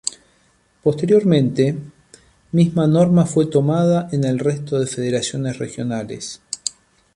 Posteriormente, misma norma fue tomada en el resto de federaciones regionales.